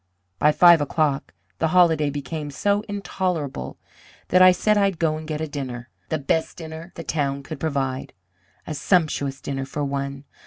"By five o'clock the holiday became so intolerable that I said I'd go and get a dinner. The best dinner the town could provide. A sumptuous dinner for one.